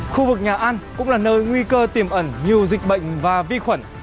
khu vực nhà ăn cũng là nơi nguy cơ tiềm ẩn nhiều dịch bệnh và vi khuẩn